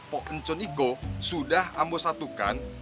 pocon iko sudah ambo satukan